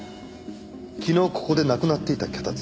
昨日ここでなくなっていた脚立。